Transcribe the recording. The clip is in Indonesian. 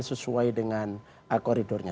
sesuai dengan koridornya